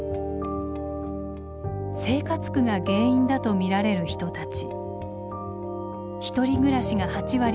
生活苦が原因だと見られる人たち。